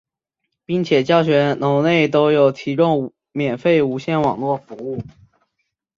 并且教学楼内都有提供免费无线网络服务。